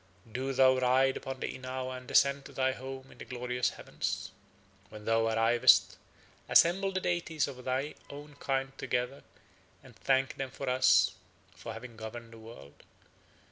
Do thou ride upon the inao and ascend to thy home in the glorious heavens. When thou arrivest, assemble the deities of thy own kind together and thank them for us for having governed the world.